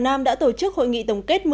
hà nam đã tổ chức hội nghị tổng kết